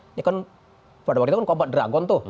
ini kan pada waktu itu kan kompak dragon tuh